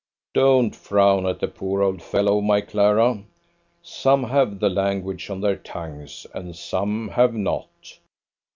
Don't frown at the poor old fellow, my Clara; some have the language on their tongues, and some have not.